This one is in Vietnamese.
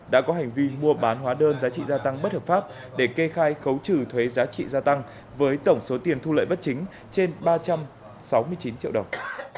đã có hành vi mua bán hóa đơn giá trị gia tăng bất hợp pháp để kê khai khấu trừ thuế giá trị gia tăng với tổng số tiền thu lợi bất chính trên ba trăm sáu mươi chín triệu đồng